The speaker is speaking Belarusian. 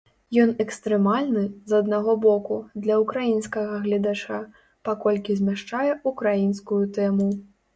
Ён экстрэмальны, з аднаго боку, для ўкраінскага гледача, паколькі змяшчае ўкраінскую тэму.